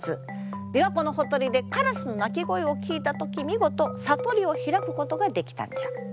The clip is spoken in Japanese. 琵琶湖のほとりでカラスの鳴き声を聞いた時見事悟りを開くことができたんじゃ。